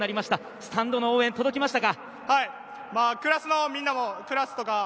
スタンドの応援は届きましたか？